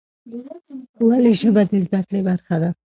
ولې ژبه د زده کړې برخه ده؟